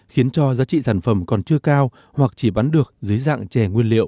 khiến cho giá trị sản phẩm còn chưa cao hoặc chỉ bán được dưới dạng chè nguyên liệu